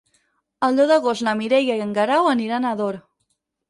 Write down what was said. El deu d'agost na Mireia i en Guerau aniran a Ador.